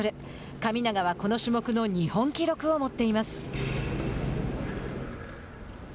神長はこの種目の日本記録を持っています。